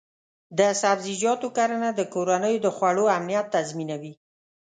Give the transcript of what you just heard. د سبزیجاتو کرنه د کورنیو د خوړو امنیت تضمینوي.